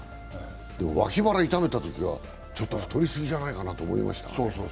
でも脇腹痛めたときはちょっと太り過ぎじゃないかと思いましたよ。